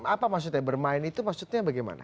apa maksudnya bermain itu maksudnya bagaimana